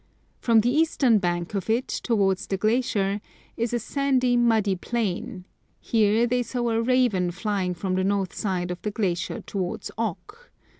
From the eastern bank of it, towards the glacier, is a sandy, muddy plain ; here they saw a raven flying from the north side of the glacier towards Ok.